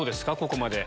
ここまで。